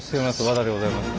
和田でございます。